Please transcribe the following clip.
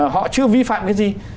họ chưa vi phạm cái gì